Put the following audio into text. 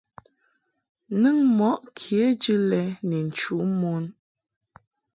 Nɨŋ mɔʼ kejɨ lɛ ni nchu mon.